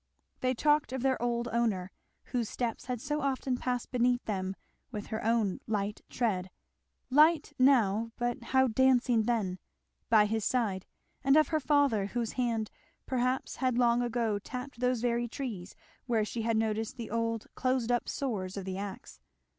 They talked of their old owner, whose steps had so often passed beneath them with her own light tread, light now, but how dancing then! by his side; and of her father whose hand perhaps had long ago tapped those very trees where she had noticed the old closed up soars of the axe.